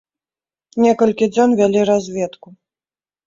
Некалькі дзён вялі разведку.